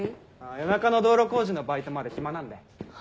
夜中の道路工事のバイトまで暇なんで。